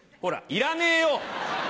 「いらねえよ！」。